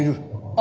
あ。